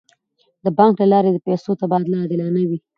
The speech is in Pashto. د بانک له لارې د پیسو تبادله عادلانه وي.